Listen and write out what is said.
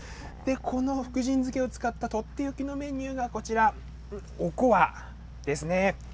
この福神漬を使った取って置きのメニューがこちら、おこわですね。